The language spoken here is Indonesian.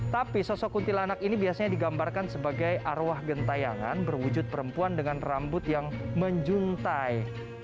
tapi sosok kuntilanak ini biasanya digambarkan sebagai arwah gentayangan berwujud perempuan dengan rambut yang menjuntai